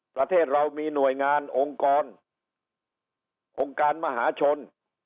ประเทศเรามีหน่วยงานองค์กรองค์การมหาชน